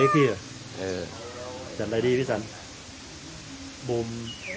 กินโน้ม